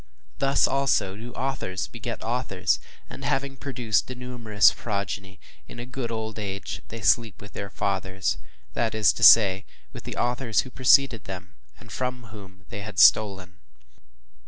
Thus, also, do authors beget authors, and having produced a numerous progeny, in a good old age they sleep with their fathers, that is to say, with the authors who preceded them and from whom they had stolen.